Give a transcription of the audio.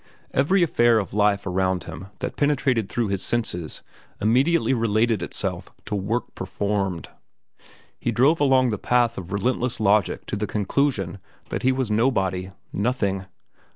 Every affair of life around him that penetrated through his senses immediately related itself to "work performed." He drove along the path of relentless logic to the conclusion that he was nobody, nothing.